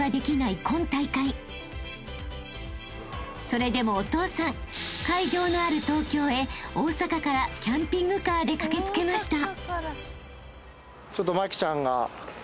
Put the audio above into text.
［それでもお父さん会場のある東京へ大阪からキャンピングカーで駆け付けました］